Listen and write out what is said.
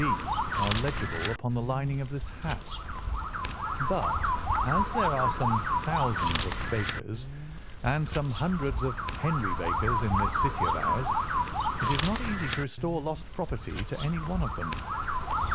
B.' are legible upon the lining of this hat, but as there are some thousands of Bakers, and some hundreds of Henry Bakers in this city of ours, it is not easy to restore lost property to any one of them."